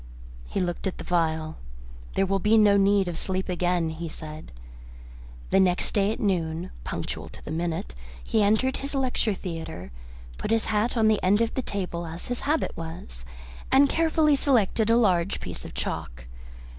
He looked at the little phial. "There will be no need of sleep again," he said. The next day at noon, punctual to the minute, he entered his lecture theatre, put his hat on the end of the table as his habit was, and carefully selected a large piece of chalk.